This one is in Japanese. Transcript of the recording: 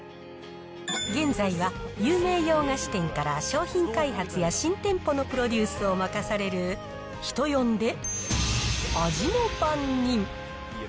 現在は有名洋菓子店から商品開発や新店舗のプロデュースを任される、人呼んで味の番人。